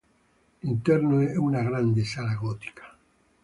L'interno è una grande sala gotica.